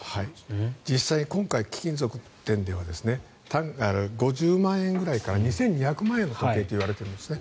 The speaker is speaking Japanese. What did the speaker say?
実際、今回貴金属店では５０万円ぐらいから２２００万円の時計といわれているんですね。